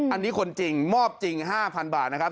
อันนี้คนจริงมอบจริง๕๐๐บาทนะครับ